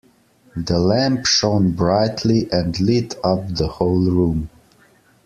The lamp shone brightly and lit up the whole room.